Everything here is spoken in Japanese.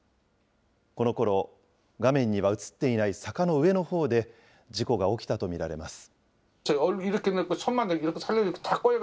このころ、画面には写っていない坂の上のほうで、事故が起きたと見られます。